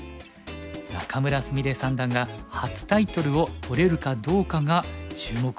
仲邑菫三段が初タイトルを取れるかどうかが注目を集めましたよね。